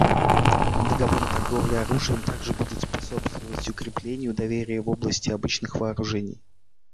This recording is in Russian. Договор о торговле оружием также будет способствовать укреплению доверия в области обычных вооружений.